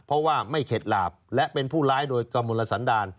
เพราะว่าไม่เข็ดหลาบและเป็นผู้ร้ายโดยกระมวลสันดาล